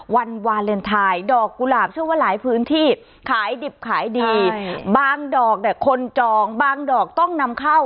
วันวาเลนไทยดอกกุหลาบเชื่อว่าหลายพื้นที่ขายดิบขายดีบางดอกเนี่ยคนจองบางดอกต้องนำเข้า